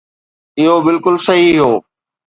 اهو فيصلو بلڪل صحيح هو.